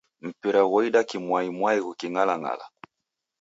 Mpira ghoida kimwaimwai ghuking'alang'ala.